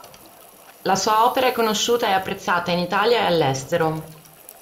La sua opera è conosciuta e apprezzata in Italia e all'estero.